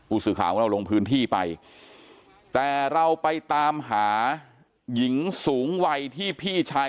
อุศิขาวลงพื้นที่ไปแต่เราไปตามหาหญิงสูงวัยที่พี่ชาย